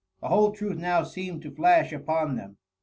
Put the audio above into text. The whole truth now seemed to flash upon them.